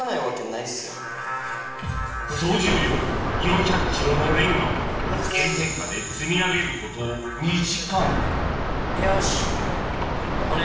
総重量４００ｋｇのレンガを炎天下で積み上げること２時間よし。